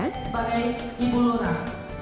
sebagai ibu lurah